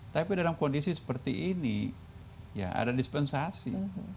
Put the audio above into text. tapi dalam kondisi seperti ini ya ada dispensasi